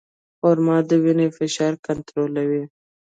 خرما د وینې فشار کنټرولوي.